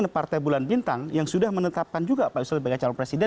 partai bulan bintang yang sudah menetapkan juga pak yusril sebagai calon presiden